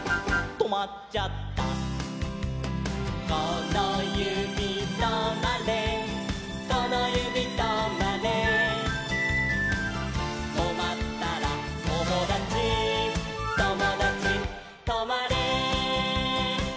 「このゆびとまれこのゆびとまれ」「とまったらともだちともだちとまれ」